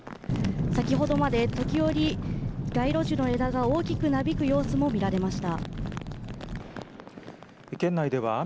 先ほどまで時折街路樹の枝が大きくなびく様子も見られました。